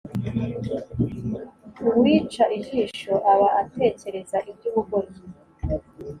uwica ijisho aba atekereza iby’ubugoryi,